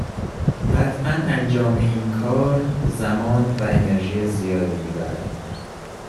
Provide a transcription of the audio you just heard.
قطعا انجام این کار، زمان و انرژی زیادی میبرد